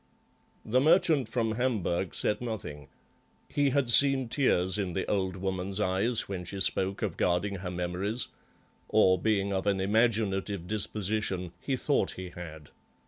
The merchant from Hamburg said nothing; he had seen tears in the old woman's eyes when she spoke of guarding her memories—or, being of an imaginative disposition, he thought he had.